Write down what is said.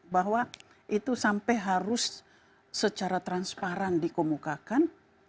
bahwa itu sampai harus secara transparan dikemukakan